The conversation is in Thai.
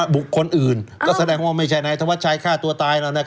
บุคคลอื่นก็แสดงว่าไม่ใช่นายธวัชชัยฆ่าตัวตายแล้ว